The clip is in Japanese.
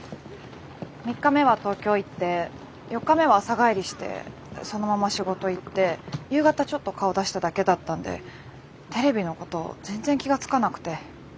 ３日目は東京行って４日目は朝帰りしてそのまま仕事行って夕方ちょっと顔出しただけだったんでテレビのこと全然気が付かなくて。